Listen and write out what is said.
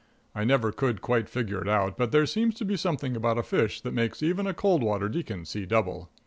I never could quite figure it out, but there seems to be something about a fish that makes even a cold water deacon see double.